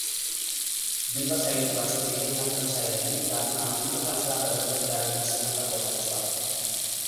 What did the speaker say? ድንበር ሳይገድባቸው ብሄር እና ቀለም ሳይለዩ ላከናወኑት መልካም ስራ በርዕሰ መስተዳድሩ ምስጋና ቀርቦላቸዋል፡፡